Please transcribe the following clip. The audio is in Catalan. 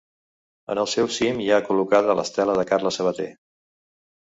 En el seu cim hi ha col·locada l'Estela de Carles Sabater.